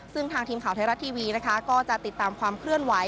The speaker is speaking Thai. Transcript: ซึ่งทางทีมข่าวไทยรัฐทีวีนะคะก็จะติดตามความเคลื่อนไหว